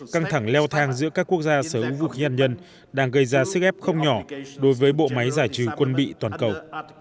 căng thẳng leo thang giữa các quốc gia sở hữu vũ khí hạt nhân đang gây ra sức ép không nhỏ đối với bộ máy giải trừ quân bị toàn cầu